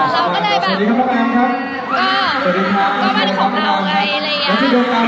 เราก็เลยแบบก็มันของเราไงอะไรอย่างนี้